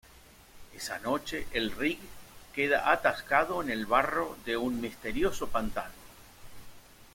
Esa noche, el Rig queda atascado en el barro de un misterioso pantano.